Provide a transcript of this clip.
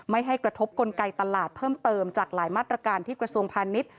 ไม่ให้กระทบกลไกตลาดเพิ่มเติมจากหลายมาตรการที่กระทรวงพาณิชย์